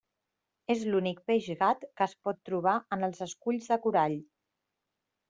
És l'únic peix gat que es pot trobar en els esculls de corall.